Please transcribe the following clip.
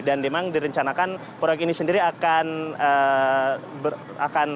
memang direncanakan proyek ini sendiri akan